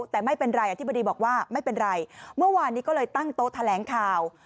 แต่ไม่เป็นไรอธิบดีบอกว่าไม่เป็นไรเมื่อวานนี้ก็เลยตั้งโต๊ะแถลงข่าว